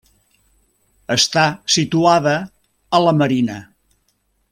Està situada a la Marina.